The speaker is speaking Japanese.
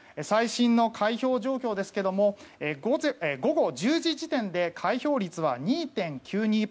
最新の開票状況ですが午後１０時時点で開票率は２．９２％。